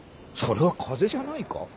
それは風邪じゃないか？